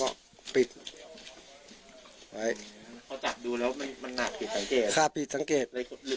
เขาจับดูแล้วมันหนักผิดสังเกตค่ะผิดสังเกต